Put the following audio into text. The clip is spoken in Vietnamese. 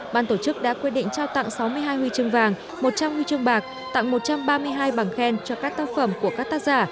ban tổ chức đã quyết định trao tặng sáu mươi hai huy chương vàng một trăm linh huy chương bạc tặng một trăm ba mươi hai bằng khen cho các tác phẩm của các tác giả